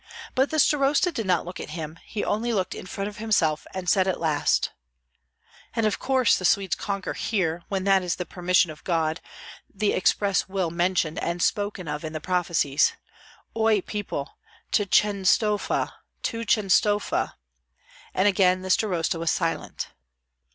But the starosta did not look at him; he only looked in front of himself, and said at last, "And of course the Swedes conquer here when that is the permission of God, the express will mentioned and spoken of in the Prophecies Oi, people, to Chenstohova, to Chenstohova!" And again the starosta was silent.